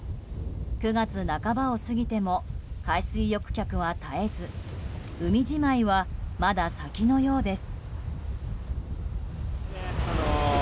９月半ばを過ぎても海水浴客は絶えず海じまいは、まだ先のようです。